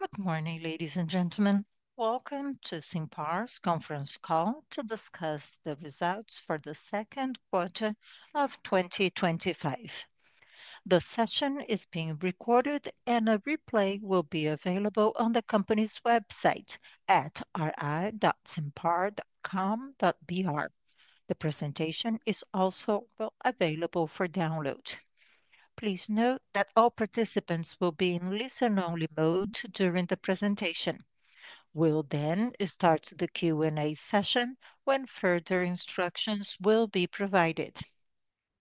Good morning, ladies and gentlemen. Welcome to SIMPAR's Conference Call to Discuss the Results for the Second Quarter of 2025. The session is being recorded, and a replay will be available on the company's website at ri.simpar.com.br. The presentation is also available for download. Please note that all participants will be in listen-only mode during the presentation. We'll then start the Q&A session when further instructions will be provided.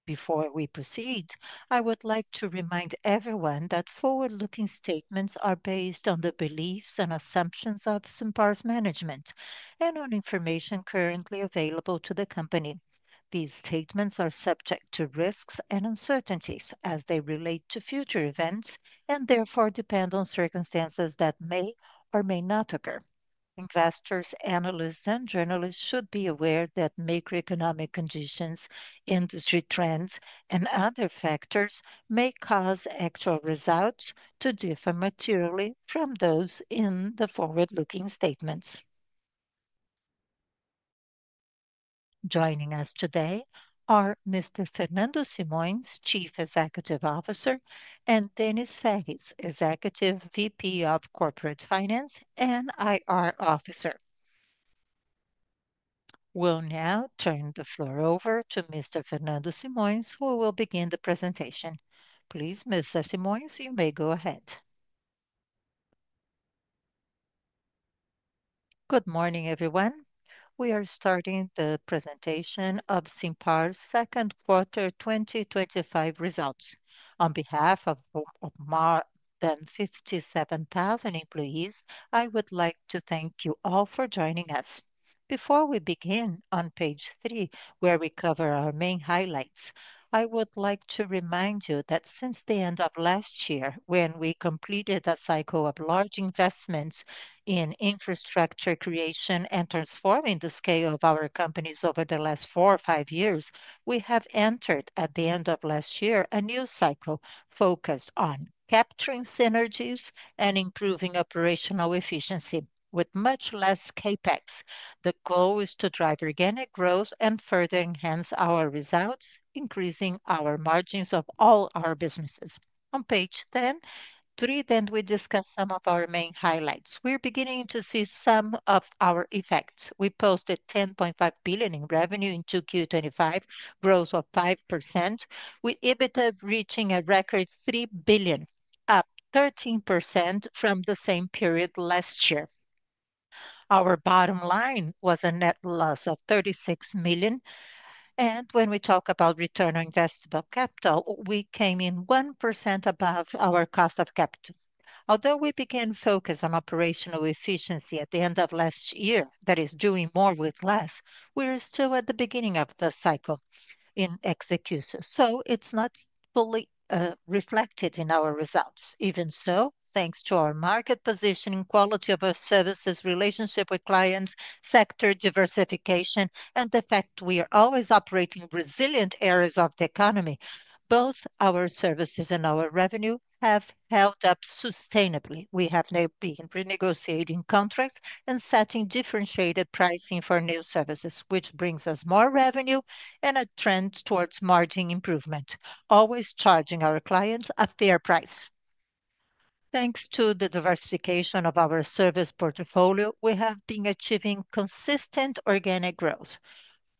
Before we proceed, I would like to remind everyone that forward-looking statements are based on the beliefs and assumptions of SIMPAR's management and on information currently available to the company. These statements are subject to risks and uncertainties, as they relate to future events and therefore depend on circumstances that may or may not occur. Investors, analysts, and journalists should be aware that macroeconomic conditions, industry trends, and other factors may cause actual results to differ materially from those in the forward-looking statements. Joining us today are Mr. Fernando Simões, Chief Executive Officer, and Denys Ferrez, Executive VP of Corporate Finance and IR Officer. We'll now turn the floor over to Mr. Fernando Simões, who will begin the presentation. Please, Mr. Simões, you may go ahead. Good morning, everyone. We are starting the presentation of SIMPAR's second quarter 2025 results. On behalf of more than 57,000 employees, I would like to thank you all for joining us. Before we begin on page three, where we cover our main highlights, I would like to remind you that since the end of last year, when we completed a cycle of large investments in infrastructure creation and transforming the scale of our companies over the last four or five years, we have entered, at the end of last year, a new cycle focused on capturing synergies and improving operational efficiency with much less CapEx. The goal is to drive organic growth and further enhance our results, increasing our margins of all our businesses. On page three, then we discuss some of our main highlights. We're beginning to see some of our effects. We posted R$10.5 billion in revenue in Q2 2025, growth of 5%, with EBITDA reaching a record R$3 billion, up 13% from the same period last year. Our bottom line was a net loss of R$36 million, and when we talk about return on invested capital, we came in 1% above our cost of capital. Although we began focusing on operational efficiency at the end of last year, that is doing more with less, we're still at the beginning of the cycle in execution, so it's not fully reflected in our results. Even so, thanks to our market positioning, quality of our services, relationship with clients, sector diversification, and the fact we are always operating in resilient areas of the economy, both our services and our revenue have held up sustainably. We have now been renegotiating contracts and setting differentiated pricing for new services, which brings us more revenue and a trend towards margin improvement, always charging our clients a fair price. Thanks to the diversification of our service portfolio, we have been achieving consistent organic growth.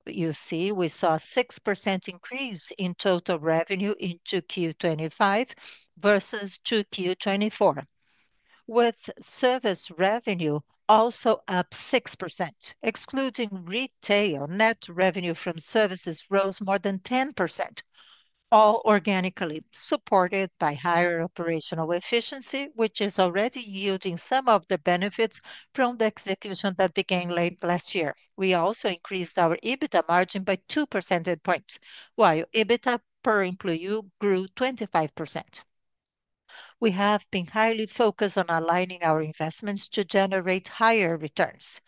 You see, we saw a 6% increase in total revenue in Q2 2025 versus Q2 2024, with service revenue also up 6%. Excluding retail, net revenue from services rose more than 10%, all organically supported by higher operational efficiency, which is already yielding some of the benefits from the execution that began late last year. We also increased our EBITDA margin by 2 percentage points, while EBITDA per employee grew 25%. We have been highly focused on aligning our investments to generate higher returns.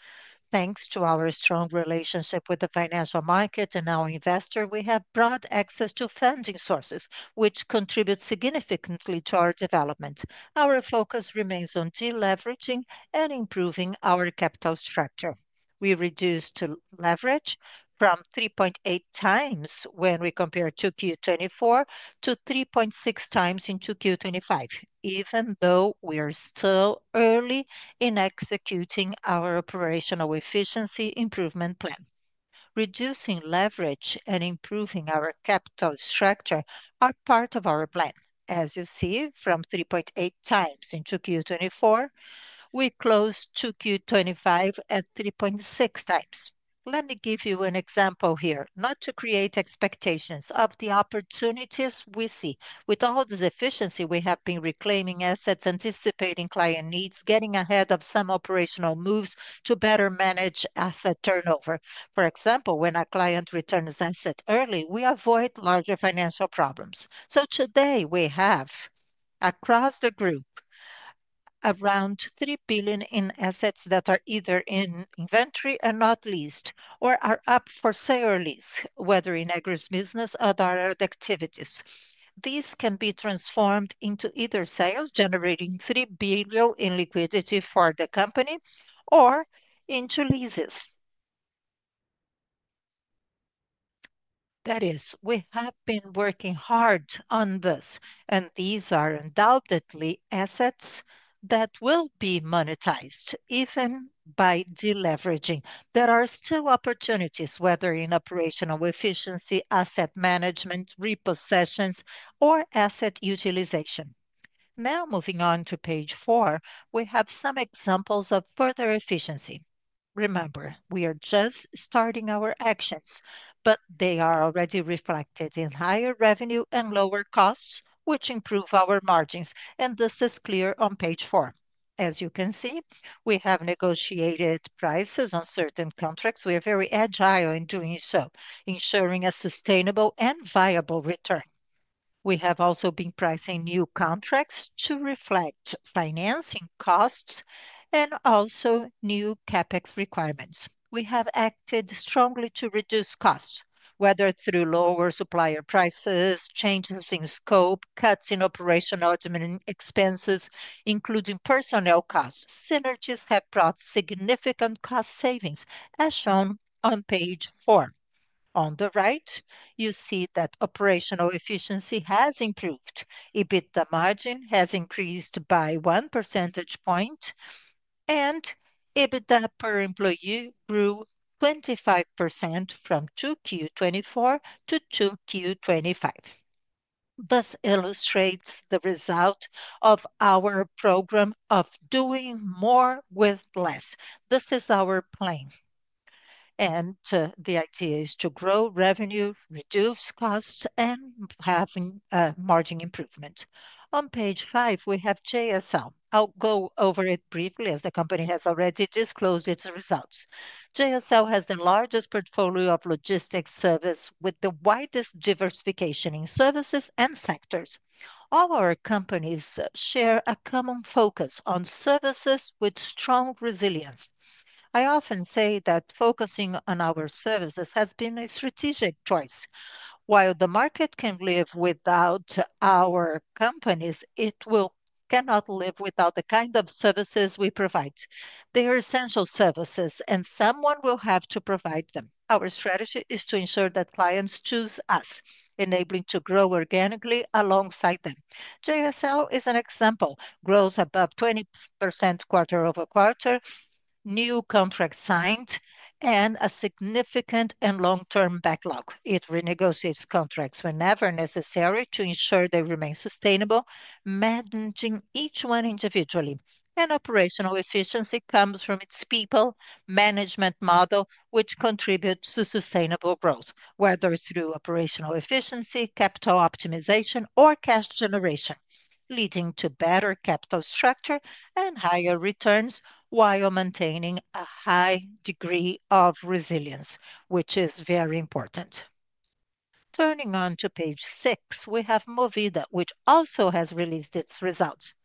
Thanks to our strong relationship with the financial markets and our investors, we have broad access to funding sources, which contribute significantly to our development. Our focus remains on deleveraging and improving our capital structure. We reduced leverage from 3.8x when we compare Q2 2024 to 3.6x in Q2 2025, even though we are still early in executing our operational efficiency improvement plan. Reducing leverage and improving our capital structure are part of our plan. As you see, from 3.8x in Q2 2024, we closed Q2 2025 at 3.6x. Let me give you an example here, not to create expectations of the opportunities we see. With all this efficiency, we have been reclaiming assets, anticipating client needs, getting ahead of some operational moves to better manage asset turnover. For example, when a client returns assets early, we avoid larger financial problems. Today, we have, across the group, around R$3 billion in assets that are either in inventory and not leased, or are up for sale or lease, whether in agribusiness or other activities. These can be transformed into either sales, generating R$3 billion in liquidity for the company or into leases. That is, we have been working hard on this, and these are undoubtedly assets that will be monetized even by deleveraging. There are still opportunities, whether in operational efficiency, asset management, repossessions, or asset utilization. Now, moving on to page four, we have some examples of further efficiency. Remember, we are just starting our actions, but they are already reflected in higher revenue and lower costs, which improve our margins, and this is clear on page four. As you can see, we have negotiated prices on certain contracts. We are very agile in doing so, ensuring a sustainable and viable return. We have also been pricing new contracts to reflect financing costs, and also new CAPEX requirements. We have acted strongly to reduce costs, whether through lower supplier prices, changes in scope, cuts in operational admin expenses, including personnel costs. Synergies have brought significant cost savings, as shown on page four. On the right, you see that operational efficiency has improved. EBITDA margin has increased by 1 percentage point, and EBITDA per employee grew 25% from Q2 2024-Q2 2025. This illustrates the result of our program of doing more with less. This is our plan, and so the idea is to grow revenue, reduce costs, and have margin improvements. On page five, we have JSL. I'll go over it briefly, as the company has already disclosed its results. JSL has the largest portfolio of logistics services, with the widest diversification in services and sectors. All our companies share a common focus on services with strong resilience. I often say that focusing on our services has been a strategic choice. While the market can live without our companies, it cannot live without the kind of services we provide. They are essential services, and someone will have to provide them. Our strategy is to ensure that clients choose us, enabling to grow organically alongside them. JSL is an example. Growth above 20% quarter-over-quarter, new contracts signed, and a significant and long-term backlog. It renegotiates contracts whenever necessary to ensure they remain sustainable, managing each one individually. Operational efficiency comes from its people management model, which contributes to sustainable growth, whether through operational efficiency, capital optimization, or cash generation, leading to better capital structure and higher returns, while maintaining a high degree of resilience, which is very important. Turning on to page six, we have Movida, which also has released its results.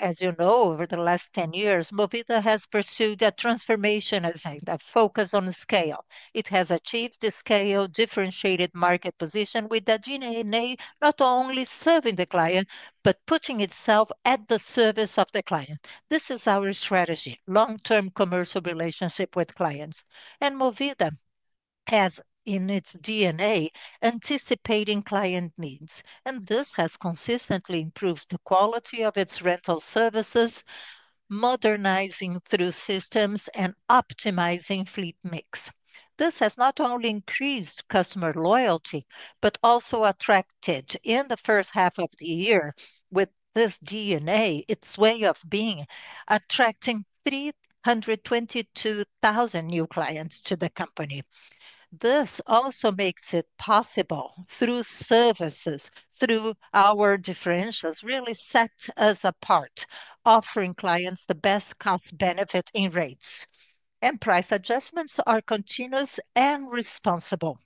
As you know, over the last 10 years, Movida has pursued a transformation design that focuses on scale. It has achieved the scale differentiated market position, with the DNA not only serving the client, but putting itself at the service of the client. This is our strategy, long-term commercial relationship with clients. Movida has in its DNA, anticipating client needs. This has consistently improved the quality of its rental services, modernizing through systems, and optimizing fleet mix. This has not only increased customer loyalty, but also attracted in the first half of the year, with this DNA, its way of being, attracting 322,000 new clients to the company. This also makes it possible through services, through our differentials, really sets us apart, offering clients the best cost-benefit in rates. Price adjustments are continuous and responsible.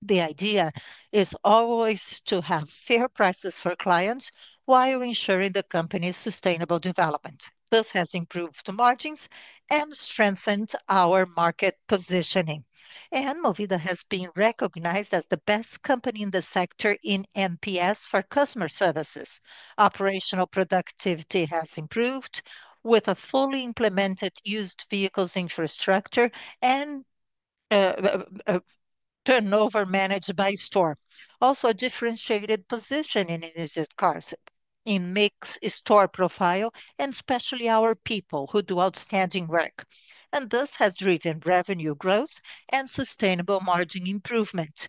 The idea is always to have fair prices for clients, while ensuring the company's sustainable development. This has improved margins and strengthened our market positioning, and Movida has been recognized as the best company in the sector in MPS for customer services. Operational productivity has improved, with a fully implemented used vehicles infrastructure and turnover managed by store. Also, a differentiated position in in mixed store profile, and especially our people who do outstanding work. This has driven revenue growth and sustainable margin improvement,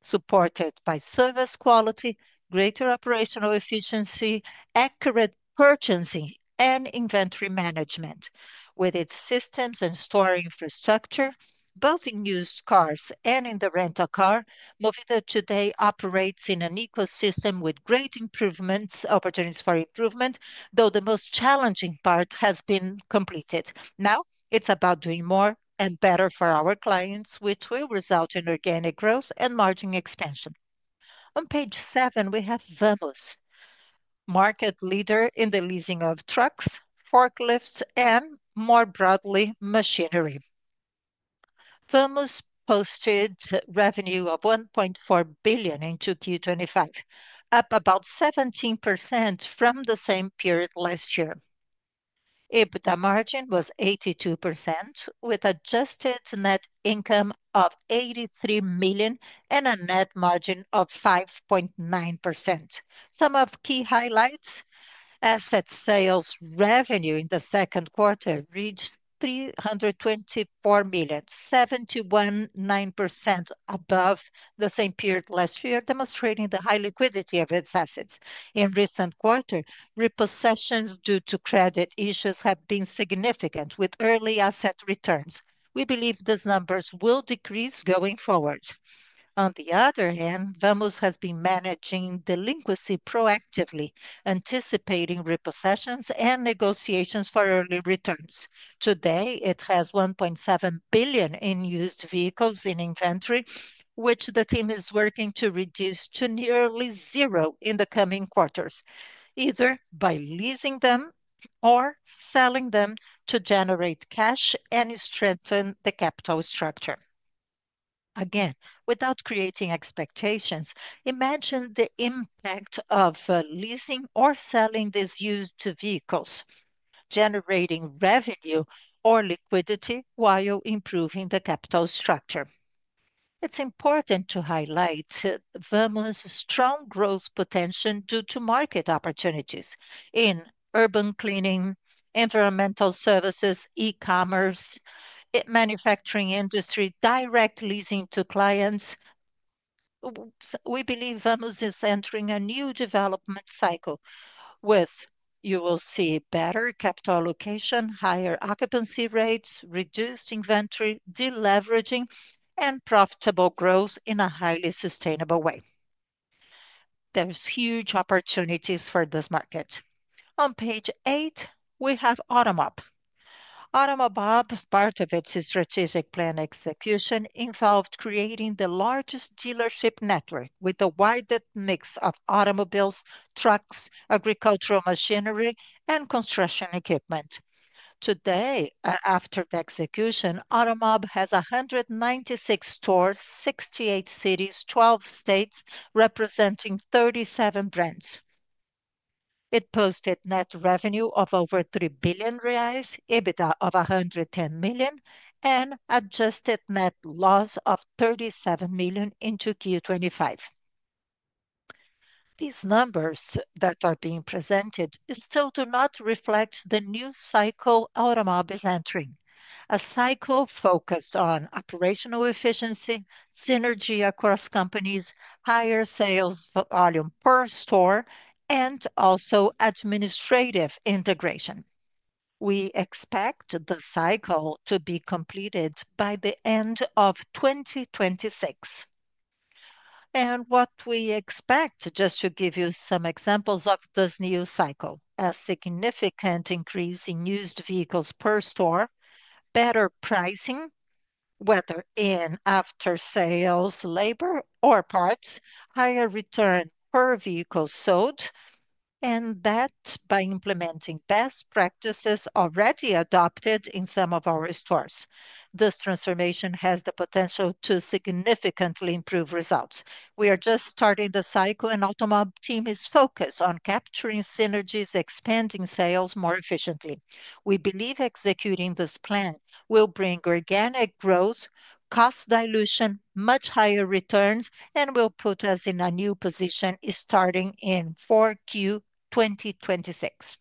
supported by service quality, greater operational efficiency, accurate purchasing, and inventory management. With its systems and storage infrastructure, both in used cars and in the rental car, Movida today operates in an ecosystem with great opportunities for improvement, though the most challenging part has been completed. Now, it's about doing more and better for our clients, which will result in organic growth and margin expansion. On page seven, we have Vamos, market leader in the leasing of trucks, forklifts, and more broadly, machinery. Vamos posted revenue of R$1.4 billion in Q2 2025, up about 17% from the same period last year. EBITDA margin was 82%, with adjusted net income of R$83 million and a net margin of 5.9%. Some of the key highlights, asset sales revenue in the second quarter reached R$324 million, 71.9% above the same period last year, demonstrating the high liquidity of its assets. In recent quarters, repossessions due to credit issues have been significant, with early asset returns. We believe these numbers will decrease going forward. On the other hand, Vamos has been managing delinquency proactively, anticipating repossessions and negotiations for early returns. Today, it has R$1.7 billion in used vehicles in inventory, which the team is working to reduce to nearly zero in the coming quarters, either by leasing them or selling them to generate cash and strengthen the capital structure. Again, without creating expectations, imagine the impact of leasing or selling these used vehicles, generating revenue or liquidity while improving the capital structure. It's important to highlight Vamos' strong growth potential due to market opportunities in urban cleaning, environmental services, e-commerce, manufacturing industry, direct leasing to clients. We believe Vamos is entering a new development cycle, you will see better capital allocation, higher occupancy rates, reduced inventory, deleveraging, and profitable growth in a highly sustainable way. There's huge opportunities for this market. On page eight, we have Automob. Automob, part of its strategic plan execution involved creating the largest dealership network, with a wider mix of automobiles, trucks, agricultural machinery, and construction equipment. Today, after the execution, Automob has 196 stores, 68 cities, 12 states, representing 37 brands. It posted net revenue of over R$3 billion, EBITDA of R$110 million, and adjusted net loss of R$37 million in Q2 2025. These numbers that are being presented still do not reflect the new cycle Automob is entering, a cycle focused on operational efficiency, synergy across companies, higher sales volume per store, and also administrative integration. We expect the cycle to be completed by the end of 2026. What we expect, just to give you some examples of this new cycle, a significant increase in used vehicles per store, better pricing, whether in after-sales labor or parts, higher return per vehicle sold, and that by implementing best practices already adopted in some of our stores, this transformation has the potential to significantly improve results. We are just starting the cycle, and the Automob team is focused on capturing synergies, expanding sales more efficiently. We believe executing this plan will bring organic growth, cost dilution, much higher returns, and will put us in a new position starting in Q4 2026.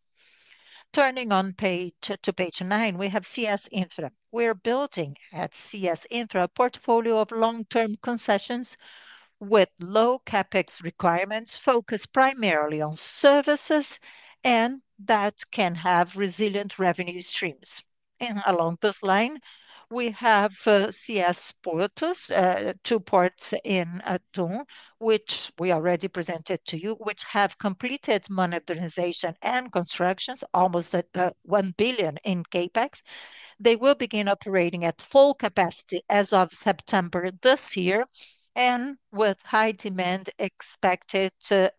Turning on to page nine, we have CS Infra. We are building at CS Infra, a portfolio of long-term concessions with low CapEx requirements, focused primarily on services and that can have resilient revenue streams. Along this line, we have CS Portus, two ports in ATU, which we already presented to you, which have completed modernization and constructions, almost at R$1 billion in CapEx. They will begin operating at full capacity as of September this year, with high demand expected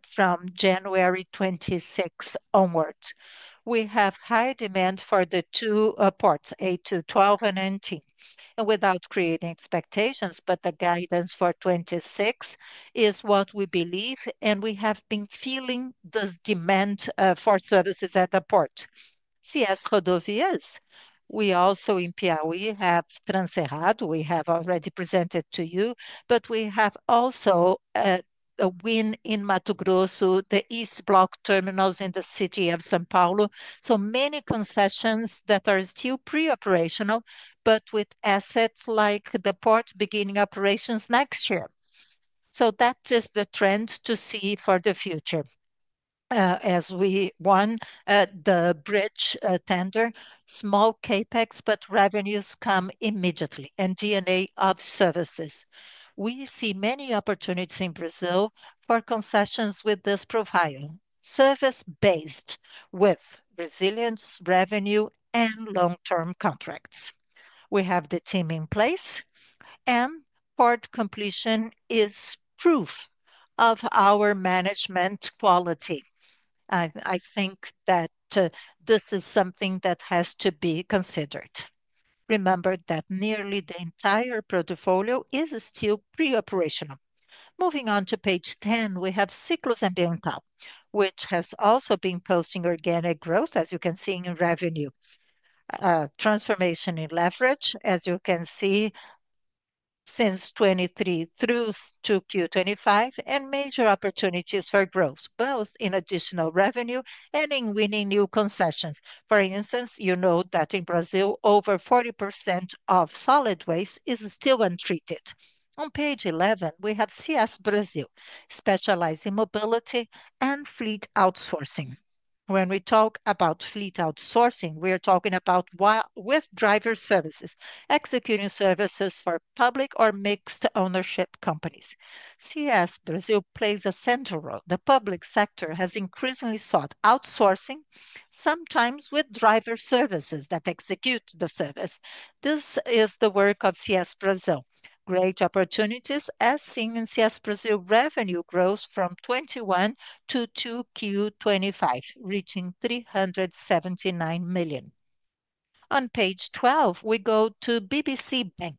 from January 2026 onwards. We have high demand for the two ports, ATU-12 and ATU-18, and without creating expectations, but the guidance for 2026 is what we believe, and we have been feeling this demand for services at the port. CS Rodovias, we also in Piauí have [Transerrad], we have already presented to you, but we have also a win in Mato Grosso, the east block terminals in the city of São Paulo. Many concessions are still preoperational, but with assets like the port beginning operations next year. That is the trend to see for the future. As we won the bridge tender, small CapEx, but revenues come immediately and DNA of services. We see many opportunities in Brazil for concessions with this profile, service-based, with resilience, revenue, and long-term contracts. We have the team in place, and port completion is proof of our management quality. I think that this is something that has to be considered. Remember that nearly the entire portfolio is still preoperational. Moving on to page 10, we have Ciclus Ambiental, which has also been posting organic growth, as you can see in revenues, transformation in leverage as you can see, since 2023 through Q2 2025, and major opportunities for growth both in additional revenue and in winning new concessions. For instance, you know that in Brazil, over 40% of solid waste is still untreated. On page 11, we have CS Brasil, specializing in mobility and fleet outsourcing. When we talk about fleet outsourcing, we are talking about with driver services, executing services for public or mixed ownership companies, CS Brasil plays a central role. The public sector has increasingly sought outsourcing, sometimes with driver services that execute the service. This is the work of CS Brasil. Great opportunities, as seen in CS Brasil. Revenue grows from 2021 to Q2 2025, reaching R$379 million. On page 12, we go to BBC Bank,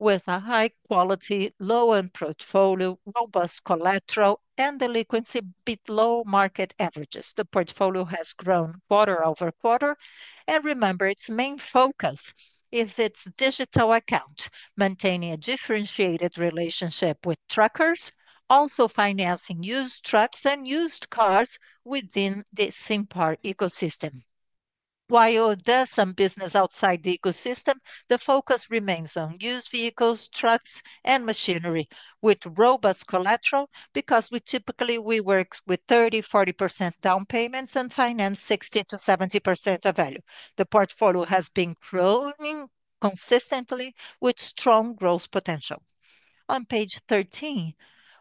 with a high-quality, low-end portfolio, robust collateral, and delinquency below market averages. The portfolio has grown quarter-over-quarter, and remember its main focus is its digital account, maintaining a differentiated relationship with truckers, also financing used trucks and used cars within the SIMPAR ecosystem. While there's some business outside the ecosystem, the focus remains on used vehicles, trucks, and machinery, with robust collateral because we typically work with 30%, 40% down payments and finance 60%-70% of value. The portfolio has been growing consistently, with strong growth potential. On page 13,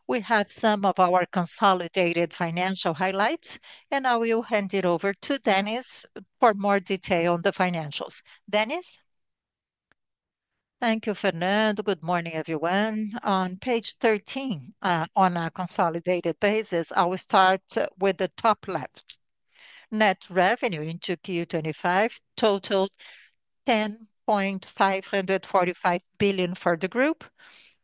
we have some of our consolidated financial highlights, and I will hand it over to Denys for more detail on the financials. Denys? Thank you, Fernando. Good morning, everyone. On page 13, on a consolidated basis, I will start with the top left. Net revenue in Q2 2025 totaled R$10.545 billion for the group,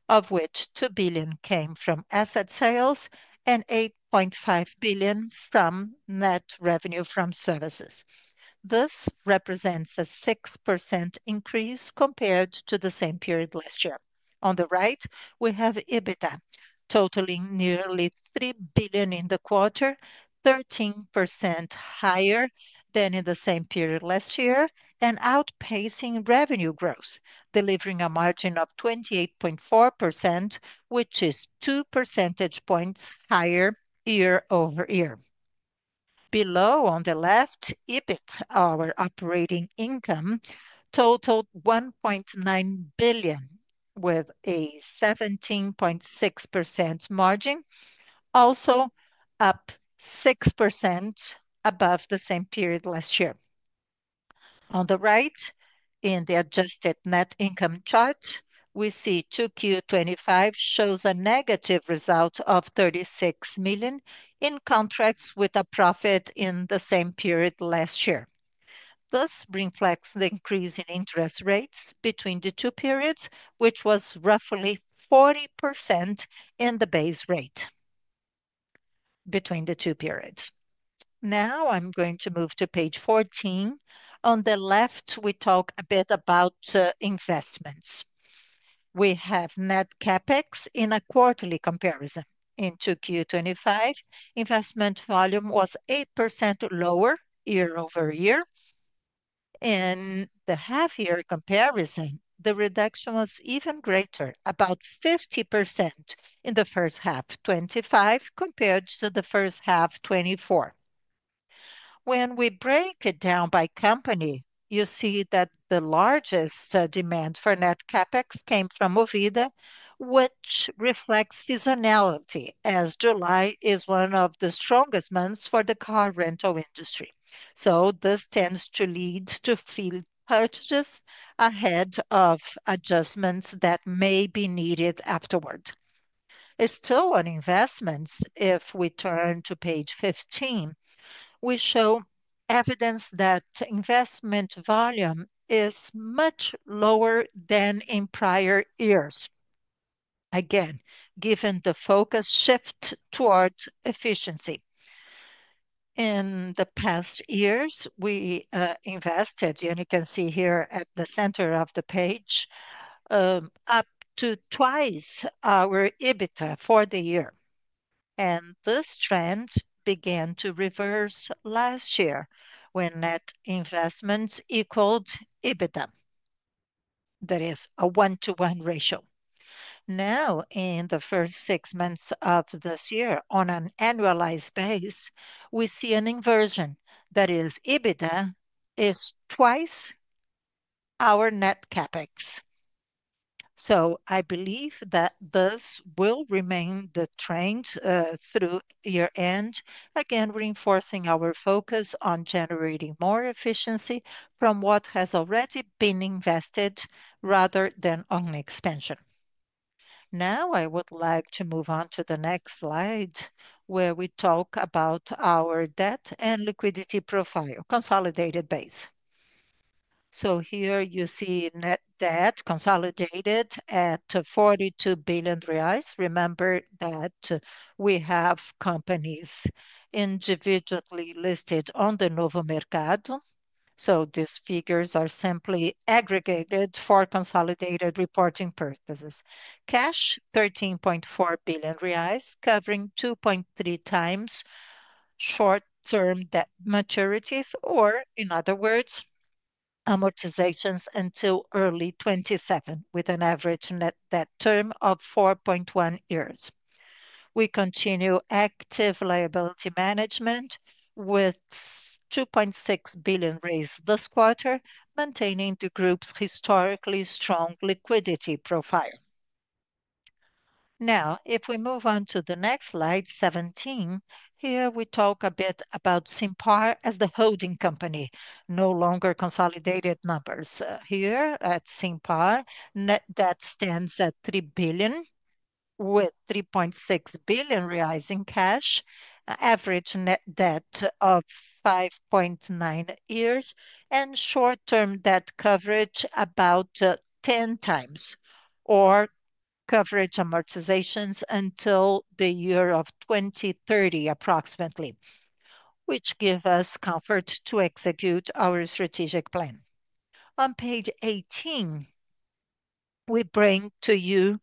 of which R$2 billion came from asset sales and R$8.5 billion from net revenue from services. This represents a 6% increase, compared to the same period last year. On the right, we have EBITDA, totaling nearly R$3 billion in the quarter, 13% higher than in the same period last year, and outpacing revenue growth, delivering a margin of 28.4%, which is two percentage points higher year-over-year. Below on the left, EBIT, our operating income, totaled R$1.9 billion, with a 17.6% margin, also up 6% above the same period last year. On the right, in the adjusted net income chart, we see Q2 2025 shows a negative result of R$36 million in contracts with a profit in the same period last year. This reflects the increase in interest rates between the two periods, which was roughly 40% in the base rate between the two periods. Now, I'm going to move to page 14. On the left, we talk a bit about investments. We have net CapEx in a quarterly comparison. In Q2 2025, investment volume was 8% lower year-over-year. In the half-year comparison, the reduction was even greater, about 50% in the first half 2025 compared to the first half 2024. When we break it down by company, you see that the largest demand for net CapEx came from Movida, which reflects seasonality, as July is one of the strongest months for the car rental industry. This tends to lead to field purchases ahead of adjustments that may be needed afterwards. Still on investments, if we turn to page 15, we show evidence that investment volume is much lower than in prior years, again given the focus shift towards efficiency. In the past years, we invested, and you can see here at the center of the page, up to twice our EBITDA for the year. This trend began to reverse last year when net investments equaled EBITDA. That is a one-to-one ratio. Now, in the first six months of this year, on an annualized basis, we see an inversion. That is, EBITDA is twice our net CapEx. I believe that this will remain the trend through year-end, again reinforcing our focus on generating more efficiency from what has already been invested rather than only expansion. Now I would like to move on to the next slide, where we talk about our debt and liquidity profile, consolidated base. Here you see net debt consolidated at R$42 billion. Remember that we have companies individually listed on the Novo Mercado, so these figures are simply aggregated for consolidated reporting purposes. Cash, R$13.4 billion, covering 2.3x short-term debt maturities or in other words, amortizations until early 2027, with an average net debt term of 4.1 years. We continue active liability management with R$2.6 billion raised this quarter, maintaining the group's historically strong liquidity profile. Now, if we move on to the next slide 17, here we talk a bit about SIMPAR as the holding company, no longer consolidated numbers. Here at SIMPAR, net debt stands at R$3 billion, with R$3.6 billion in cash, an average net debt of 5.9 years and short-term debt coverage about 10x, or coverage amortizations until the year of 2030 approximately, which give us comfort to execute our strategic plan. On page 18, we bring to you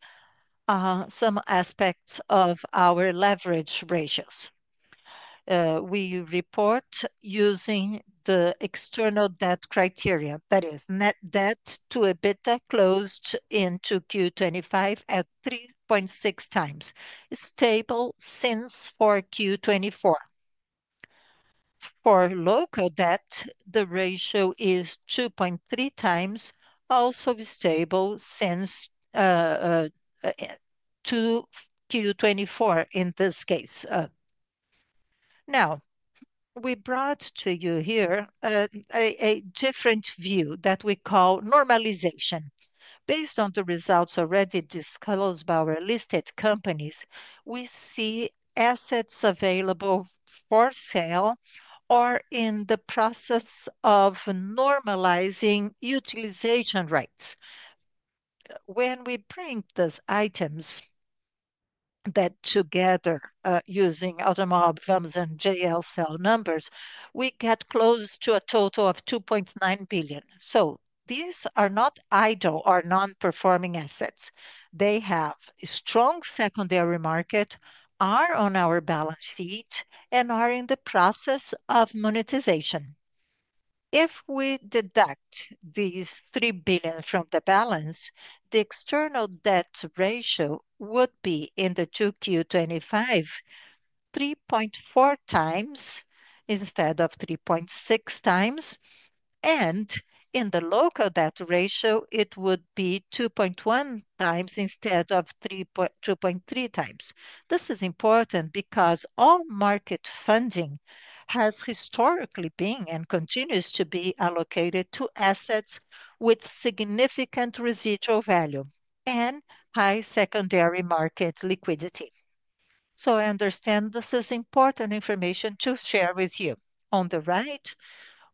some aspects of our leverage ratios. We report using the external debt criteria. That is, net debt to EBITDA closed in Q2 2025 at 3.6x, stable since Q2 2024. For local debt, the ratio is 2.3x, also stable since Q2 2024 in this case. Now, we brought to you here a different view that we call normalization. Based on the results already disclosed by our listed companies, we see assets available for sale or in the process of normalizing utilization rates. When we print those items, but together using Automob, Vamos, and JSL numbers, we get close to a total of R$2.9 billion. These are not idle or non-performing assets. They have a strong secondary market, are on our balance sheet, and are in the process of monetization. If we deduct these R$3 billion from the balance, the external debt ratio would be in Q2 2025, 3.4x instead of 3.6x, and the local debt ratio, it would be 2.1x instead of 2.3x. This is important because all market funding has historically been and continues to be allocated to assets, with significant residual value and high secondary market liquidity. I understand this is important information to share with you. On the right,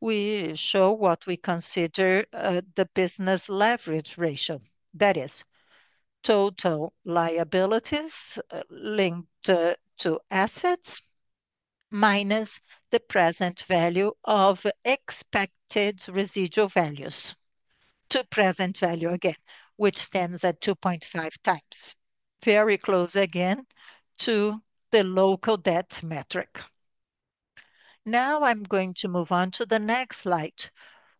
we show what we consider the business leverage ratio. That is, total liabilities linked to assets minus the present value of expected residual values, to present value again, which stands at 2.5x, very close again to the local debt metric. Now, I'm going to move on to the next slide,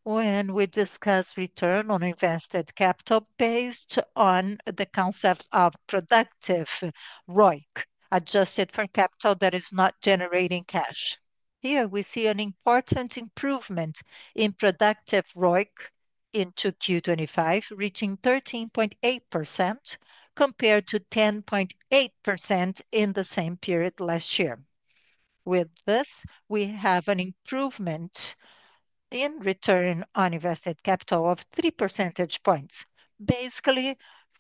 when we discuss return on invested capital based on the concept of productive ROIC, adjusted for capital that is not generating cash. Here, we see an important improvement in productive ROIC in Q2 2025, reaching 13.8% compared to 10.8% in the same period last year. With this, we have an improvement in return on invested capital, of three percentage points, basically,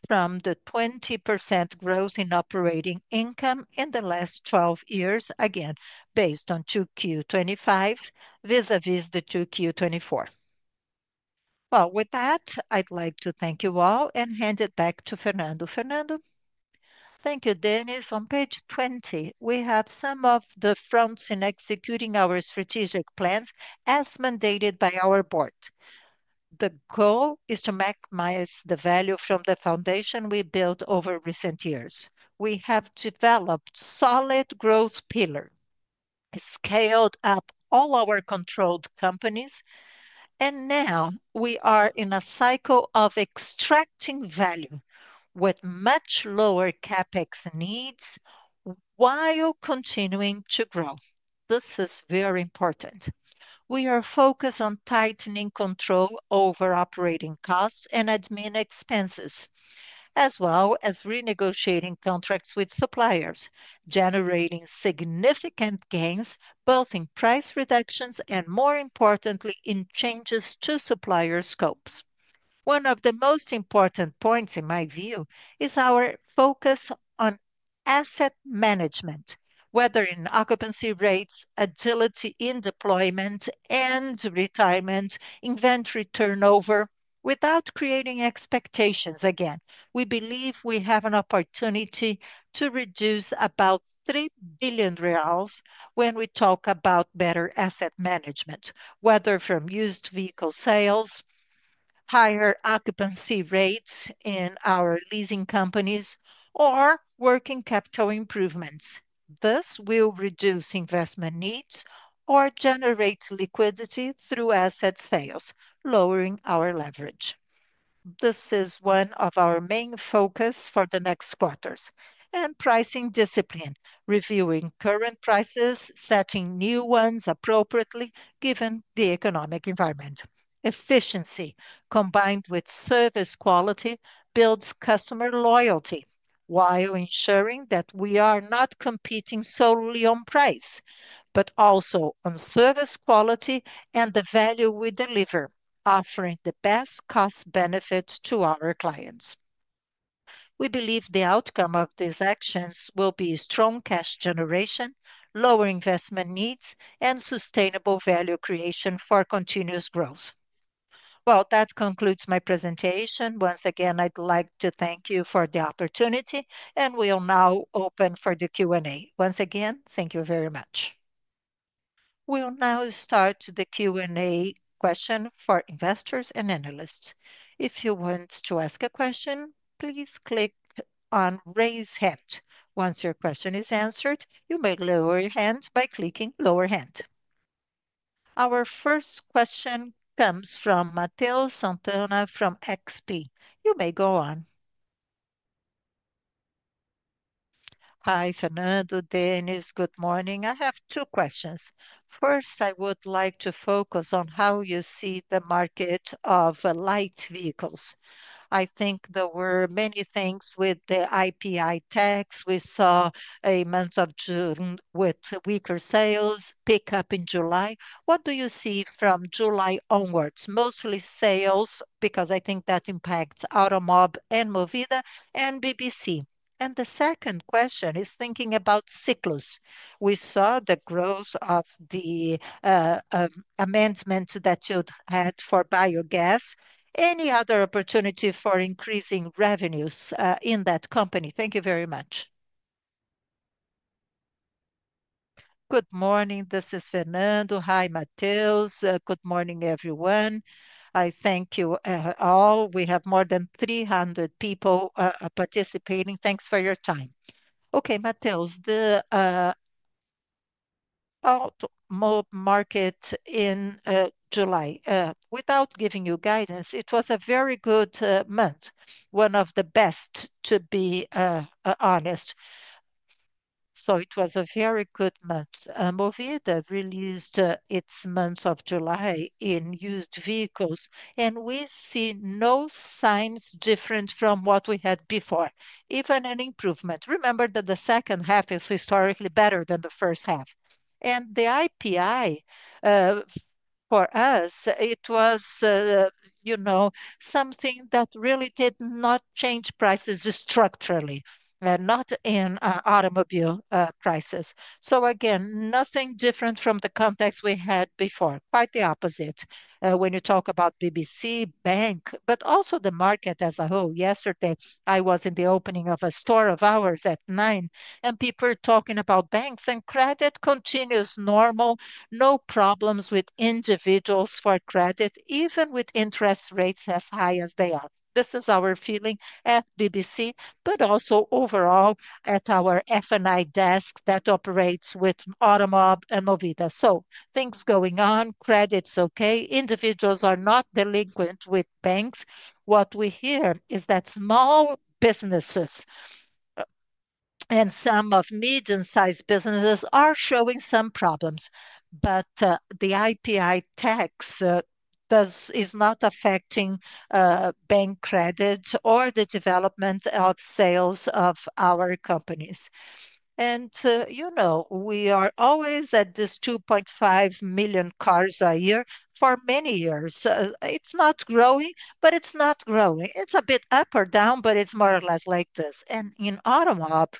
from the 20% growth in operating income in the last 12 years, again based on Q2 2025 vis-à-vis the Q2 2024. With that, I'd like to thank you all and hand it back to Fernando. Fernando. Thank you, Denys. On page 20, we have some of the fronts in executing our strategic plans as mandated by our board. The goal is to maximize the value from the foundation we built over recent years. We have developed solid growth pillars, scaled up all our controlled companies, and now we are in a cycle of extracting value with much lower CapEx needs, while continuing to grow. This is very important. We are focused on tightening control over operating costs and admin expenses, as well as renegotiating contracts with suppliers, generating significant gains both in price reductions and more importantly, in changes to supplier scopes. One of the most important points in my view is our focus on asset management, whether in occupancy rates, agility in deployment and retirement, inventory turnover, without creating expectations again. We believe we have an opportunity to reduce about R$3 billion when we talk about better asset management, whether from used vehicle sales, higher occupancy rates in our leasing companies or working capital improvements. This will reduce investment needs or generate liquidity through asset sales, lowering our leverage. This is one of our main focuses for the next quarters. Pricing discipline, reviewing current prices, setting new ones appropriately given the economic environment. Efficiency combined with service quality builds customer loyalty, while ensuring that we are not competing solely on price, but also on service quality and the value we deliver, offering the best cost-benefits to our clients. We believe the outcome of these actions will be strong cash generation, lower investment needs, and sustainable value creation for our continuous growth. That concludes my presentation. Once again, I'd like to thank you for the opportunity, and we'll now open for the Q&A. Once again, thank you very much. We'll now start the Q&A for investors and analysts. If you want to ask a question, please click on raise hand. Once your question is answered, you may lower your hand by clicking lower hand. Our first question comes from Matteo Santona from XP. You may go on. Hi, Fernando, Denys, good morning. I have two questions. First, I would like to focus on how you see the market of light vehicles. I think there were many things with the IPI tax. We saw a month of June with weaker sales pick up in July. What do you see from July onwards? Mostly sales, because I think that impacts Automob and Movida and BBC. The second question is thinking about Ciclus. We saw the growth of the amendments that you had for biogas. Any other opportunity for increasing revenues in that company? Thank you very much. Good morning. This is Fernando. Hi, Mateo. Good morning, everyone. I thank you all. We have more than 300 people participating. Thanks for your time. Matteo, the automotive market in July, without giving you guidance, it was a very good month, one of the best, to be honest. It was a very good month. Movida released its month of July in used vehicles, and we see no signs different from what we had before, even an improvement. Remember that the second half is historically better than the first half. The IPI for us, it was something that really did not change prices structurally, not in automobile prices. Again, nothing different from the context we had before, quite the opposite when you talk about BBC Bank, but also the market as a whole. Yesterday, I was in the opening of a store of ours at 9:00, and people are talking about banks and credit continues normal, no problems with individuals for credit, even with interest rates as high as they are. This is our feeling at BBC, but also overall at our F&I desk that operates with Automob and Movida. Things going on, credit's okay, individuals are not delinquent with banks. What we hear is that small businesses and some medium-sized businesses are showing some problems, but the IPI tax is not affecting bank credit or the development of sales of our companies. We are always at this 2.5 million cars a year for many years. It's not growing, but it's not growing. It's a bit up or down, but it's more or less like this. In Automob,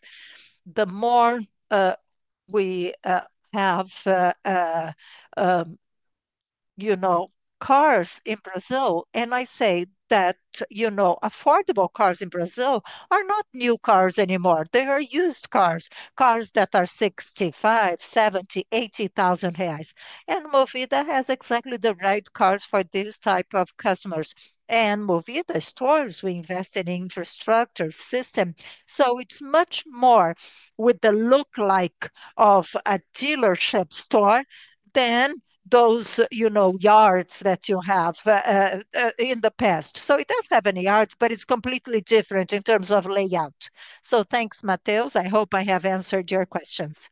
I say that affordable cars in Brazil are not new cars anymore. They are used cars, cars that are R$65,000, R$70,000, R$80,000. Movida has exactly the right cars for these types of customers. Movida stores, we invest in an infrastructure system. It's much more with the look like of a dealership store than those yards that you had in the past. It does have yards, but it's completely different in terms of layout. Thanks, Matteo. I hope I have answered your questions.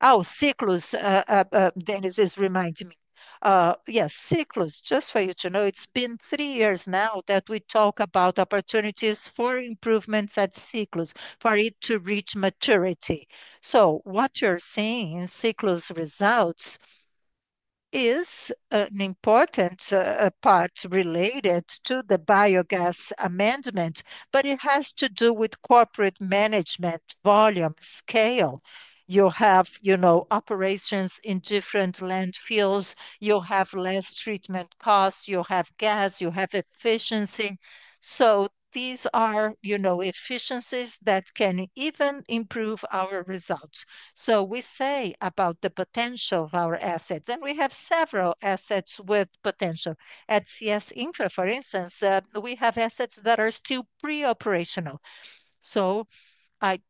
Oh, Ciclus, Denys is reminding me. Yes, Ciclus, just for you to know, it's been three years now that we talk about opportunities for improvements at Ciclus, for it to reach maturity. What you're seeing in Ciclus results is an important part related to the biogas amendment, but it has to do with corporate management, volume, scale. You'll have operations in different landfills, you'll have less treatment costs, you'll have gas, you'll have efficiency. These are efficiencies that can even improve our results. We say about the potential of our assets, and we have several assets with potential. At CS Infra for instance, we have assets that are still preoperational. I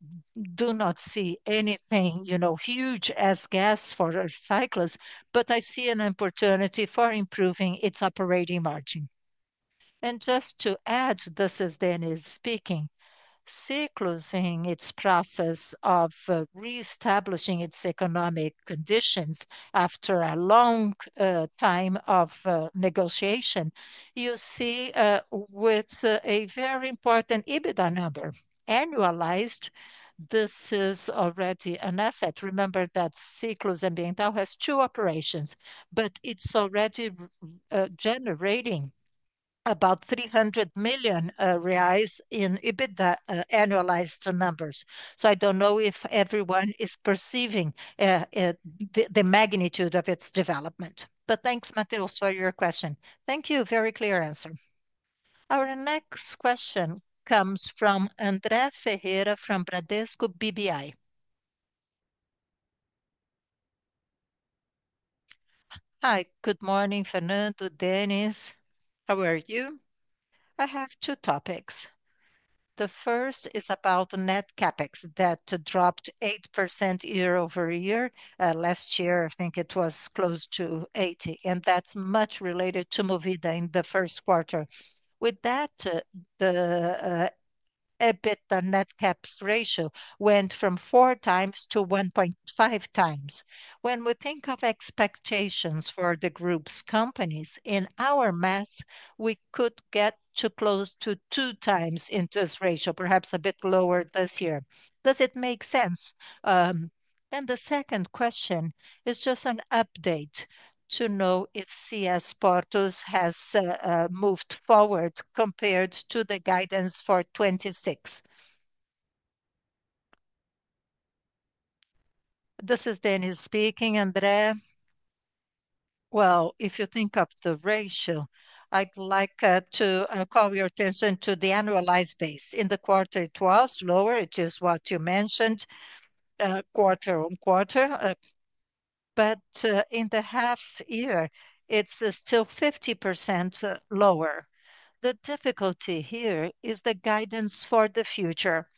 do not see anything huge as gas for Ciclus, but I see an opportunity for improving its operating margin. Just to add, this is Denys speaking, Ciclus in its process of reestablishing its economic conditions after a long time of negotiation, you see with a very important EBITDA number annualized, this is already an asset. Remember that Ciclus Ambiental has two operations, but it's already generating about R$300 million in EBITDA annualized numbers. I don't know if everyone is perceiving the magnitude of its development. Thanks, Matteo for your question. Thank you, very clear answer. Our next question comes from Andre Ferreira from Bradesco BBI. Hi, good morning, Fernando, Denys. How are you? I have two topics. The first is about net CapEx that dropped 8% year-over-year. Last year, I think it was close to R$80 million, and that's much related to Movida in the first quarter. With that, the EBITDA net CapEx ratio went from 4x to 1.5x. When we think of expectations for the group's companies, in our math, we could get too close to 2x in this ratio, perhaps a bit lower this year. Does it make sense? The second question is just an update, to know if CS Portus has moved forward compared to the guidance for 2026. This is Denys speaking, Andre. If you think of the ratio, I'd like to call your attention to the annualized base. In the quarter, it was lower. It is what you mentioned, quarter-on-quarter. In the half year, it's still 50% lower. The difficulty here is the guidance for the future.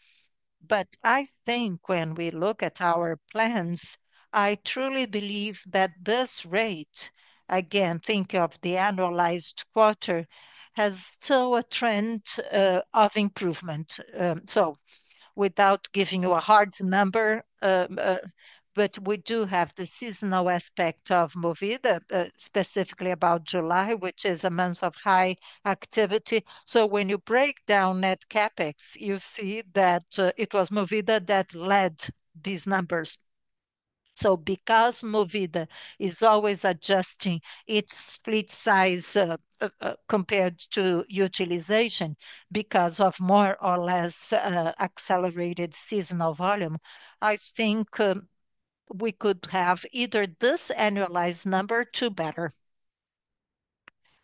I think when we look at our plans, I truly believe that this rate, again think of the annualized quarter, has still a trend of improvement. Without giving you a hard number, we do have the seasonal aspect of Movida specifically about July, which is a month of high activity. When you break down net CapEx, you see that it was Movida that led these numbers. Movida is always adjusting its fleet size compared to utilization because of more or less accelerated seasonal volume, I think we could have either this annualized number to better.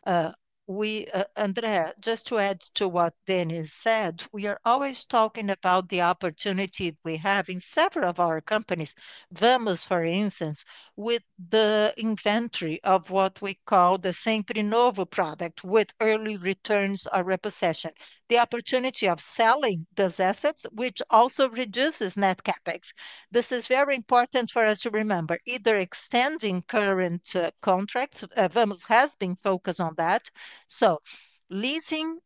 Andre, just to add to what Denys said, we are always talking about the opportunity we have in several of our companies. Vamos, for instance, with the inventory of what we call the SIMPAR Novo product with early returns or repossession. The opportunity of selling those assets, which also reduces net CapEx, this is very important for us to remember, either extending current contracts. Vamos has been focused on that, so leasing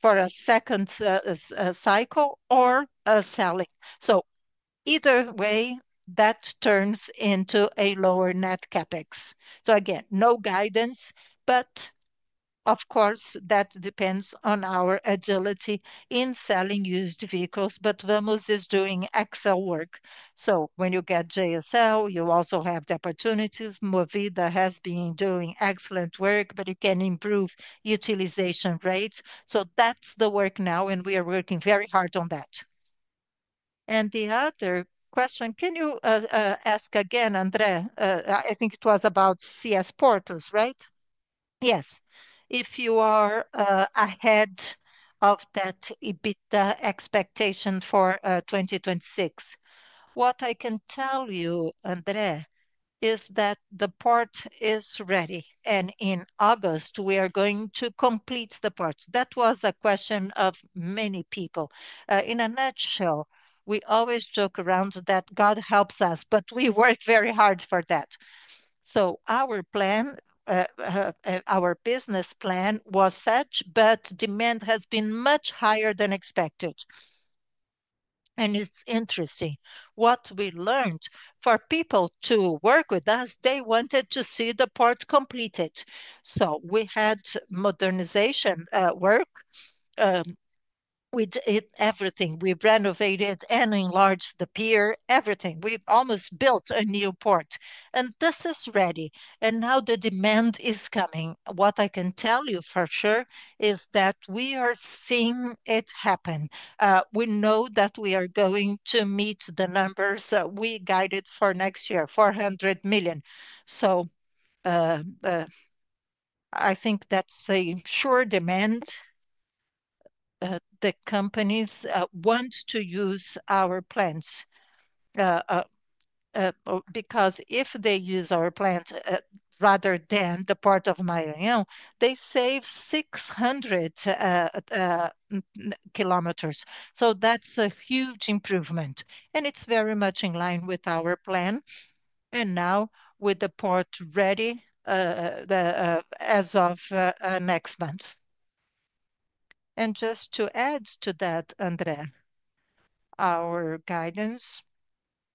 for a second cycle or selling. Either way, that turns into a lower net CapEx. Again, no guidance, but of course, that depends on our agility in selling used vehicles. Vamos is doing excellent work. When you get JSL, you also have the opportunities. Movida has been doing excellent work, but it can improve utilization rates. That's the work now, and we are working very hard on that. The other question, can you ask again, Andre? I think it was about CS Portus, right? Yes. If you are ahead of that EBITDA expectation for 2026, what I can tell you, Andre, is that the port is ready, and in August, we are going to complete the port. That was a question of many people. In a nutshell, we always joke around that God helps us, but we work very hard for that. Our business plan was such, but demand has been much higher than expected and it's interesting. What we learned, for people to work with us, they wanted to see the port completed. We had modernization work. We did everything. We renovated and enlarged the pier, everything. We almost built a new port. This is ready. Now the demand is coming. What I can tell you for sure is that we are seeing it happen. We know that we are going to meet the numbers we guided for next year, R$400 million. I think that's saying sure demand. The companies want to use our plans because if they use our plans rather than the port of Mourinho, they save 600 km. That's a huge improvement. It's very much in line with our plan now with the port ready as of next month. Just to add to that, Andre, our guidance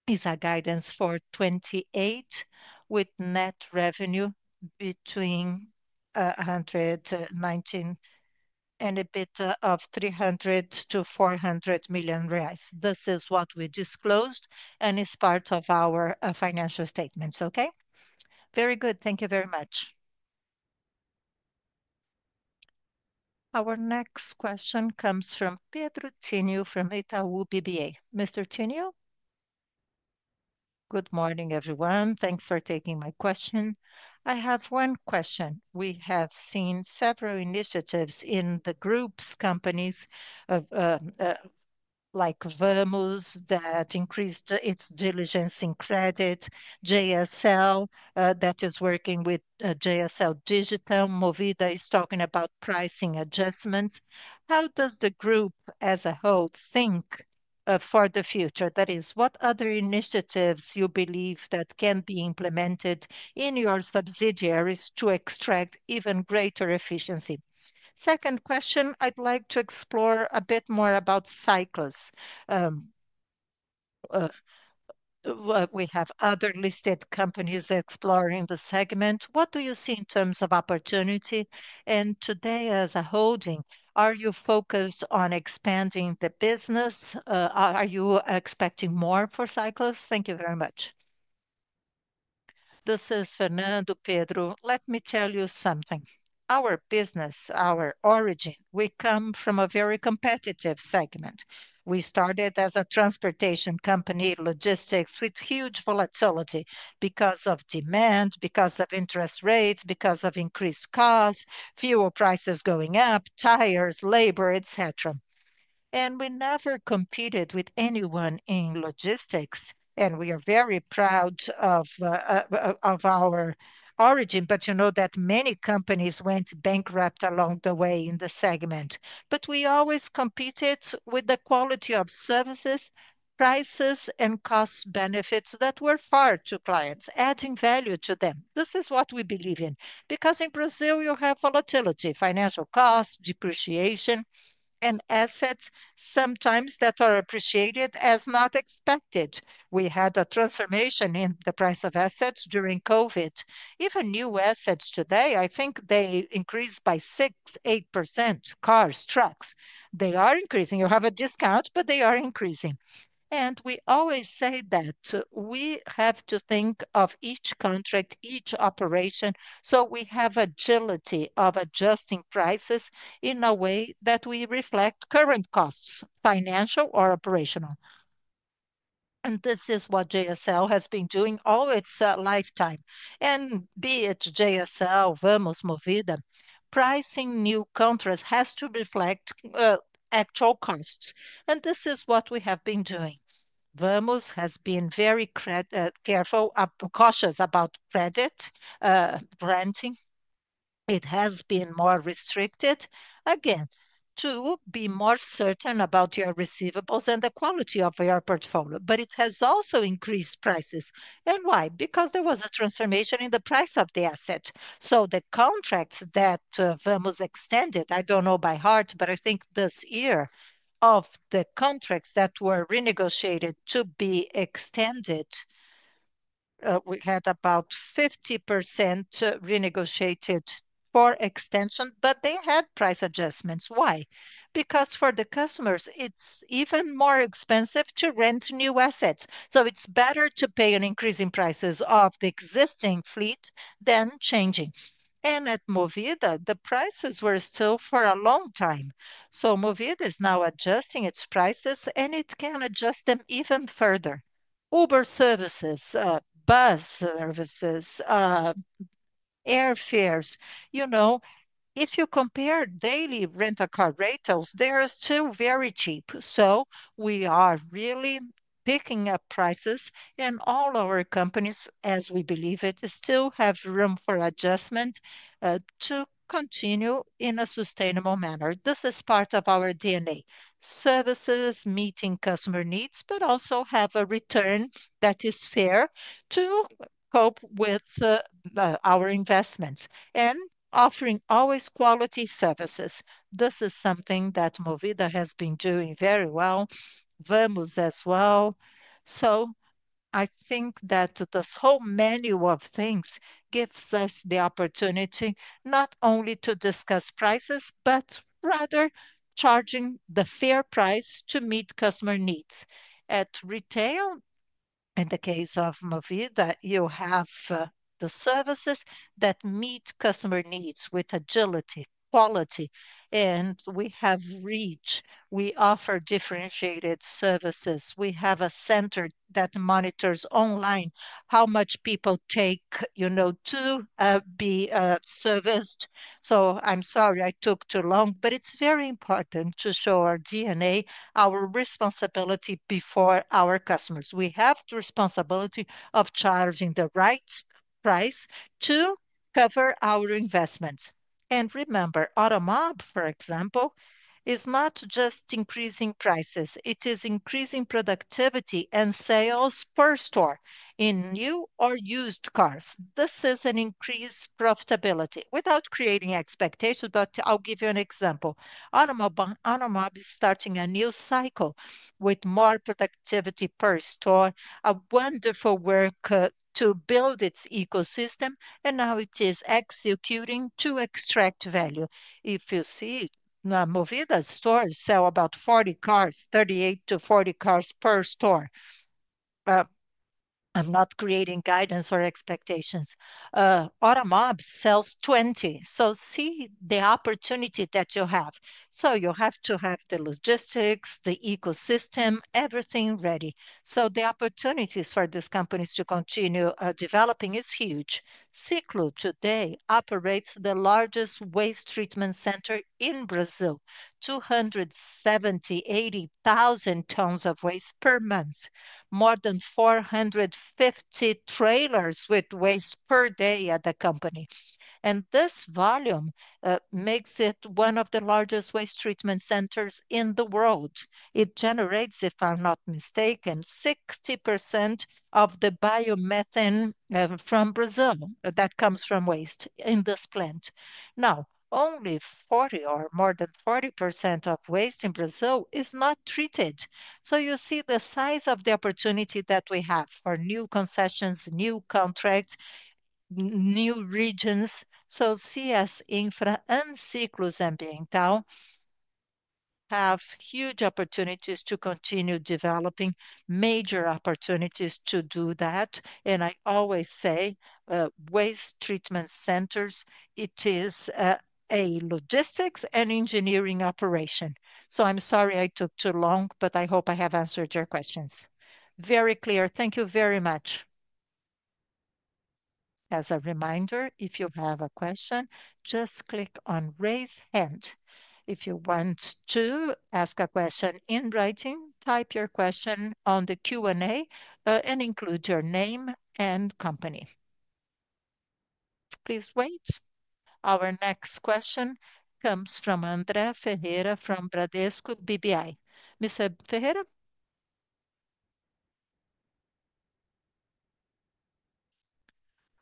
is a guidance for 2028, with net revenue between R$119 million and EBITDA of R$300-R$400 million. This is what we disclosed and is part of our financial statements, okay? Very good. Thank you very much. Our next question comes from Pedro Tineu from Itaú BBA. Mr. Tineu? Good morning, everyone. Thanks for taking my question. I have one question. We have seen several initiatives in the group's companies like Vamos, that increased its diligence in credit, JSL that is working with JSL Digital. Movida is talking about pricing adjustments. How does the group as a whole think for the future? That is, what other initiatives do you believe that can be implemented in your subsidiaries to extract even greater efficiency? Second question, I'd like to explore a bit more about Ciclus. We have other listed companies exploring the segment. What do you see in terms of opportunity? Today, as a holding, are you focused on expanding the business? Are you expecting more for Ciclus? Thank you very much. This is Fernando. Pedro, let me tell you something, our business, our origin, we come from a very competitive segment. We started as a transportation company, logistics with huge volatility because of demand, because of interest rates, because of increased costs, fuel prices going up, tires, labor, etc. We never competed with anyone in logistics. We are very proud of our origin, but you know that many companies went bankrupt along the way in the segment. We always competed with the quality of services, prices, and cost benefits that were fair to clients, adding value to them. This is what we believe in, because in Brazil you have volatility, financial costs, depreciation, and assets sometimes that are appreciated as not expected, we had a transformation in the price of assets during COVID. Even new assets today, I think they increased by 6%, 8%, cars, trucks. They are increasing. You have a discount, but they are increasing. We always say that we have to think of each contract, each operation, so we have agility of adjusting prices in a way that we reflect current costs, financial or operational. This is what JSL has been doing all its lifetime. Be it JSL, Vamos, Movida, pricing new contracts has to reflect actual costs. This is what we have been doing. Vamos has been very careful, cautious about credit, renting. It has been more restricted, again to be more certain about your receivables and the quality of your portfolio. It has also increased prices. Why? Because there was a transformation in the price of the asset. The contracts that Vamos extended, I don't know by heart, but I think this year, of the contracts that were renegotiated to be extended, we had about 50% renegotiated for extension, but they had price adjustments. Why? Because for the customers, it's even more expensive to rent new assets. It's better to pay an increase in prices of the existing fleet than changing. At Movida, the prices were still for a long time. Movida is now adjusting its prices, and it can adjust them even further. Uber services, bus services, airfares, if you compare daily rental car rentals, they are still very cheap. We are really picking up prices in all our companies, as we believe it still has room for adjustment, to continue in a sustainable manner. This is part of our DNA. Services meeting customer needs, but also have a return that is fair to cope with our investments and offering always quality services. This is something that Movida has been doing very well. Vamos as well. I think that this whole menu of things gives us the opportunity not only to discuss prices, but rather charging the fair price to meet customer needs. At retail, in the case of Movida, you have the services that meet customer needs with agility, quality, and we have reach. We offer differentiated services. We have a center that monitors online how much people take to be serviced. I'm sorry I took too long, but it's very important to show our DNA, our responsibility before our customers. We have the responsibility of charging the right price to cover our investments. Remember, Automob, for example, is not just increasing prices. It is increasing productivity and sales per store in new or used cars. This is an increased profitability without creating expectations. I'll give you an example. Automob is starting a new cycle with more productivity per store, a wonderful work to build its ecosystem and now it is executing to extract value. If you see, Movida's stores sell about 40 cars, 38 cars-40 cars per store. I'm not creating guidance or expectations. Automob sells 20. See the opportunity that you have. You have to have the logistics, the ecosystem, everything ready. The opportunities for these companies to continue developing are huge. Ciclus today operates the largest waste treatment center in Brazil, 270, 000 280,000 t of waste per month, more than 450 trailers with waste per day at the company. This volume makes it one of the largest waste treatment centers in the world. It generates, if I'm not mistaken, 60% of the biomethane from Brazil that comes from waste in this plant. Now, only 40% or more than 40% of waste in Brazil is not treated. You see the size of the opportunity that we have for new concessions, new contracts, new regions. CS Infra and Ciclus Ambiental have huge opportunities to continue developing major opportunities to do that. I always say, waste treatment centers, it is a logistics and engineering operation. I'm sorry I took too long, but I hope I have answered your questions. Very clear. Thank you very much. As a reminder, if you have a question, just click on raise hand. If you want to ask a question in writing, type your question on the Q&A and include your name and company. Please wait. Our next question comes from Andre Ferreira from Bradesco BBI. Ms. Ferreira?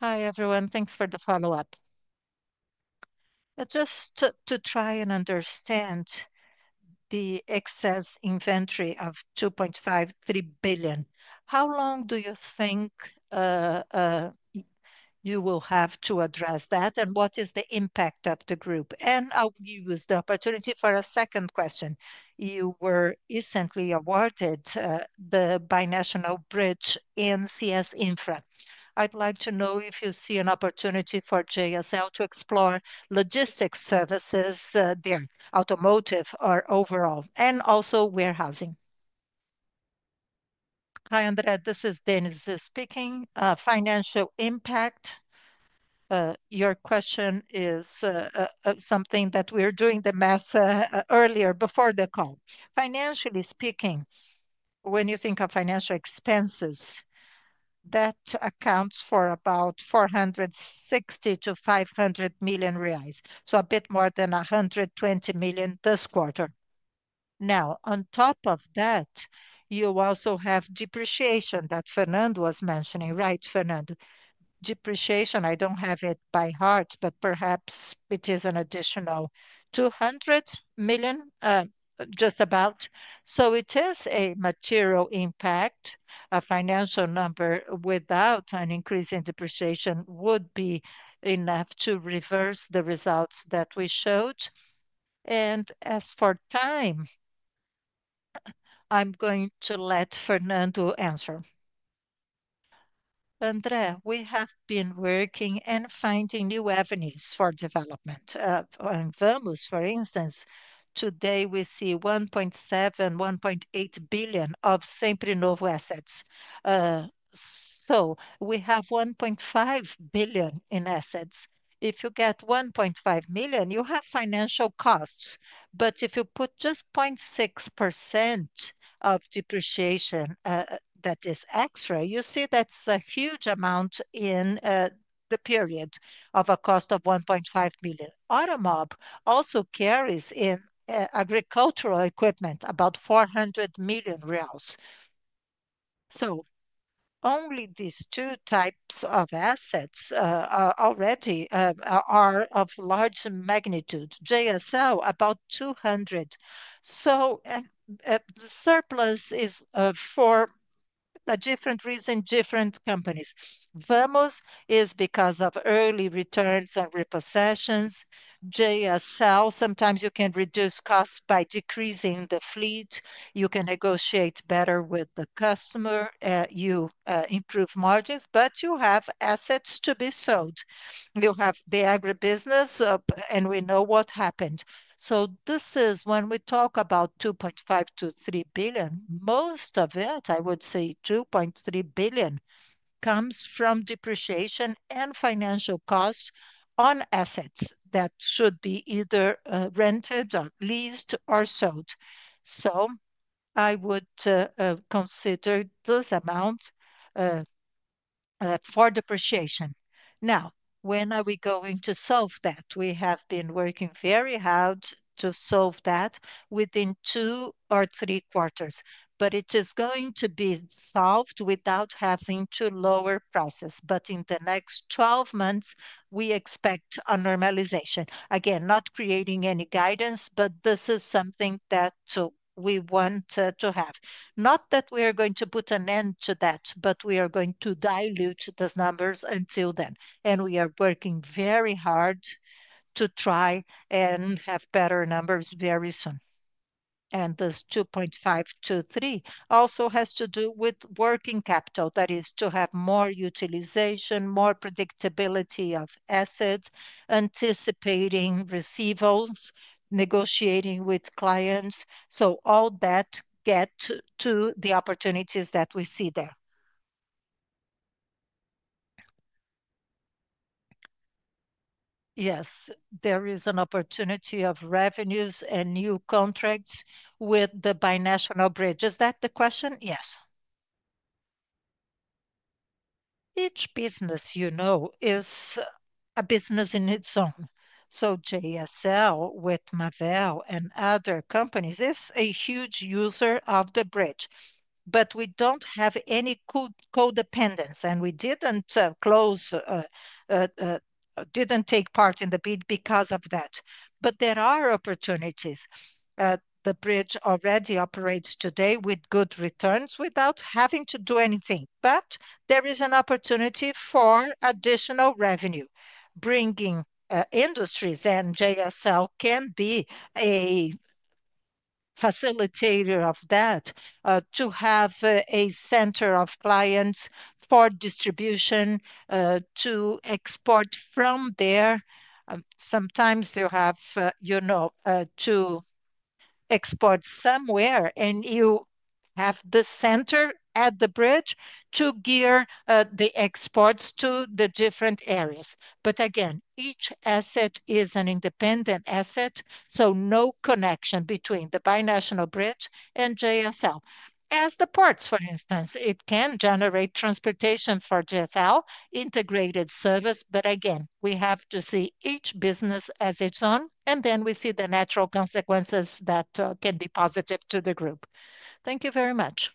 Hi, everyone. Thanks for the follow-up. Just to try and understand the excess inventory of R$2.53 billion, how long do you think you will have to address that and what is the impact of the group? I'll use the opportunity for a second question. You were recently awarded the binational bridge in CS Infra. I'd like to know if you see an opportunity for JSL to explore logistics services there, automotive or overall, and also warehousing. Hi, Andre. This is Denis speaking. Financial impact, your question is something that we're doing the math earlier before the call. Financially speaking, when you think of financial expenses, that accounts for about R$460 million-R$500 million, so a bit more than R$120 million this quarter. Now, on top of that, you also have depreciation that Fernando was mentioning. Right, Fernando? Depreciation, I don't have it by heart, but perhaps it is an additional R$200 million, just about. It is a material impact. A financial number without an increase in depreciation would be enough to reverse the results that we showed. As for time, I'm going to let Fernando answer. Andre, we have been working and finding new avenues for development. On Vamos, for instance, today we see R$1.7 billion, R$1.8 billion of SIMPAR Novo assets. We have R$1.5 billion in assets. If you get R$1.5 million, you have financial costs. If you put just 0.6% of depreciation, that is extra, you see that's a huge amount in the period of a cost of R$1.5 million. Automob also carries in agricultural equipment, about R$400 million. Only these two types of assets already are of large magnitude. JSL, about R$200. The surplus is for a different reason, different companies. Vamos is because of early returns and repossessions. JSL, sometimes you can reduce costs by decreasing the fleet. You can negotiate better with the customer. You improve margins, but you have assets to be sold. You have the agribusiness, and we know what happened. When we talk about R$2.5 billion-R$3 billion, most of it, I would say R$2.3 billion, comes from depreciation and financial costs on assets that should be either rented or leased or sold. I would consider this amount for depreciation. Now, when are we going to solve that? We have been working very hard to solve that within two or three quarters, but it is going to be solved without having to lower prices. In the next 12 months, we expect a normalization. Again, not creating any guidance, but this is something that we want to have. Not that we are going to put an end to that, but we are going to dilute those numbers until then. We are working very hard to try and have better numbers very soon. This 2.5-3 also has to do with working capital, that is to have more utilization, more predictability of assets, anticipating receivables, negotiating with clients. All that gets to the opportunities that we see there. Yes, there is an opportunity of revenues and new contracts with the binational bridge. Is that the question? Yes Each business is a business in its own. JSL with Marvel and other companies is a huge user of the bridge. We don't have any co-dependence, and we didn't take part in the bid because of that. There are opportunities. The bridge already operates today with good returns without having to do anything. There is an opportunity for additional revenue, bringing industries, and JSL can be a facilitator of that, to have a center of clients for distribution to export from there. Sometimes you have to export somewhere, and you have the center at the bridge to gear the exports to the different areas. Again, each asset is an independent asset, so no connection between the binational bridge and JSL. As the ports, for instance, it can generate transportation for JSL integrated service, but again, we have to see each business as its own and then we see the natural consequences that can be positive to the group. Thank you very much.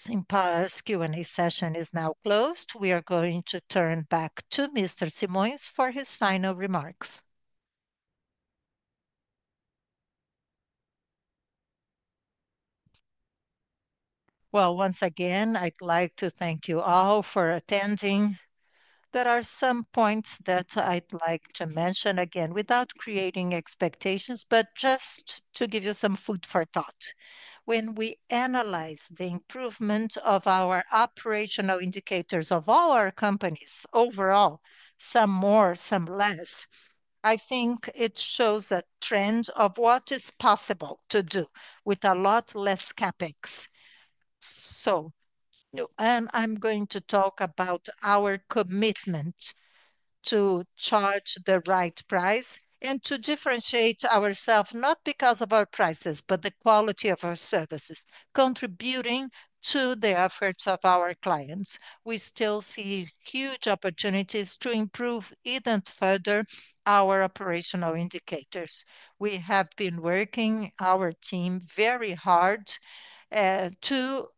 SIMPAR's Q&A session is now closed. We are going to turn back to Mr. Simões for his final remarks. Once again, I'd like to thank you all for attending. There are some points that I'd like to mention again without creating expectations, but just to give you some food for thought. When we analyze the improvement of our operational indicators of all our companies overall, some more, some less, I think it shows a trend of what is possible to do with a lot less CapEx. I'm going to talk about our commitment to charge the right price and to differentiate ourselves, not because of our prices, but the quality of our services, contributing to the efforts of our clients. We still see huge opportunities to improve even further our operational indicators. We have been working our team very hard to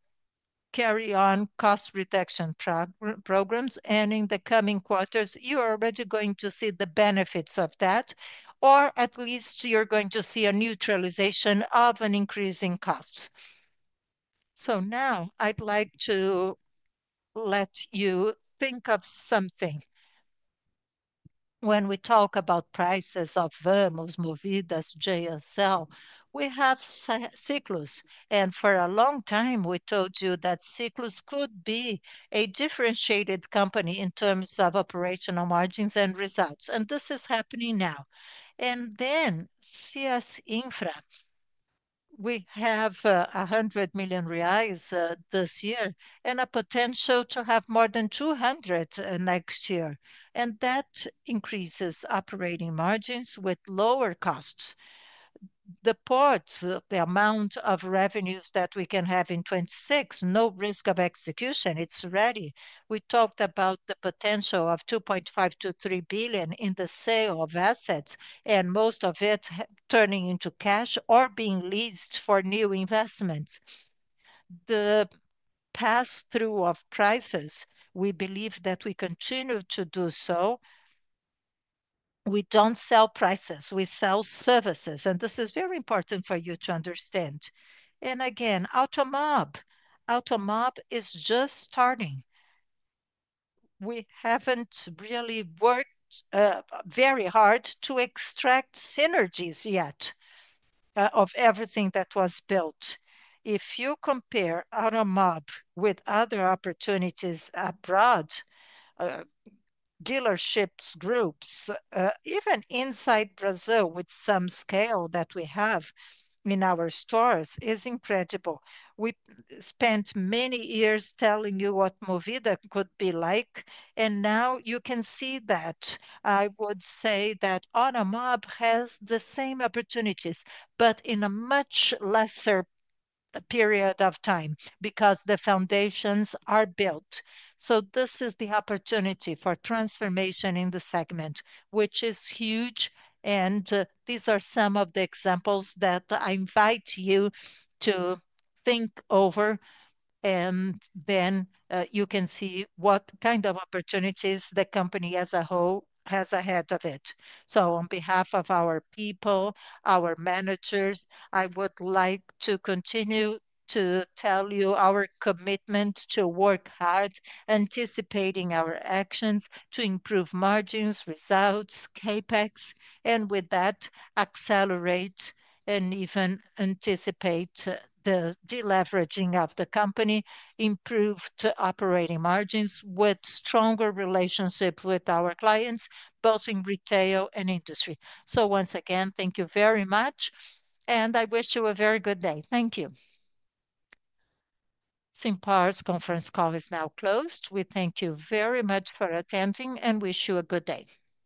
carry on cost reduction programs. In the coming quarters, you're already going to see the benefits of that, or at least you're going to see a neutralization of an increase in costs. Now I'd like to let you think of something. When we talk about prices of Vamos, Movida, JSL, we have Ciclus, and for a long time, we told you that Ciclus could be a differentiated company in terms of operational margins and results, and this is happening now. CS Infra, we have R$100 million this year and a potential to have more than R$200 million next year, and that increases operating margins with lower costs. The ports, the amount of revenues that we can have in 2026, no risk of execution, it's ready. We talked about the potential of R$2.5 billion-R$3 billion in the sale of assets, and most of it turning into cash or being leased for new investments. The pass-through of prices, we believe that we continue to do so. We don't sell prices. We sell services, and this is very important for you to understand. Again, Automob is just starting. We haven't really worked very hard to extract synergies yet, of everything that was built. If you compare Automob with other opportunities abroad, dealerships, groups, even inside Brazil with some scale that we have in our stores, it's incredible. We spent many years telling you what Movida could be like, and now you can see that. I would say that Automob has the same opportunities, but in a much lesser period of time because the foundations are built. This is the opportunity for transformation in the segment, which is huge, and these are some of the examples that I invite you to think over, and then you can see what kind of opportunities the company as a whole has ahead of it. On behalf of our people, our managers, I would like to continue to tell you our commitment to work hard, anticipating our actions to improve margins, results, CapEx, and with that, accelerate and even anticipate the deleveraging of the company, improved operating margins with stronger relationships with our clients both in retail and industry. Once again, thank you very much, and I wish you a very good day. Thank you. SIMPAR's conference call is now closed. We thank you very much for attending and wish you a good day.